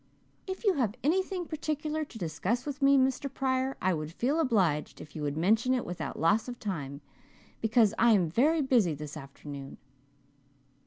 'If you have anything particular to discuss with me, Mr. Pryor, I would feel obliged if you would mention it without loss of time, because I am very busy this afternoon.'